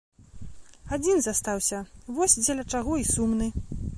Адзін застаўся, вось дзеля чаго і сумны.